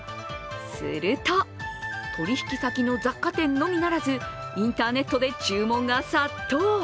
すると、取引先の雑貨店のみならずインターネットで注文が殺到。